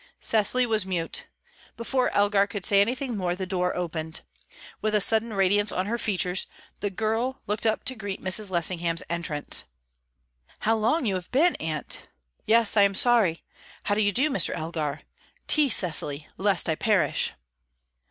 Cecily was mute. Before Elgar could say anything more, the door opened. With a sudden radiance on her features, the girl looked up to greet Mrs. Lessingham's entrance. "How long you have been, aunt!" "Yes; I am sorry. How do you do, Mr. Elgar? Tea, Cecily, lest I perish!"